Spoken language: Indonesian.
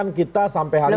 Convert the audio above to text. pastikan kita sampai hari ini